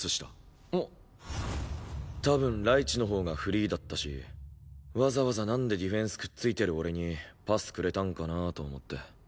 多分雷市のほうがフリーだったしわざわざなんでディフェンスくっついてる俺にパスくれたんかなあと思って。